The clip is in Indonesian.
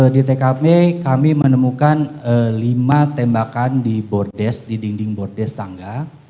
di tkp kami menemukan lima tembakan di bordes di dinding bordes tangga